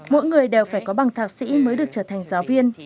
mỗi người đều phải có bằng thạc sĩ mới được trở thành giáo viên